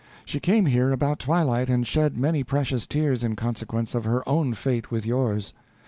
She came here about twilight, and shed many precious tears in consequence of her own fate with yours.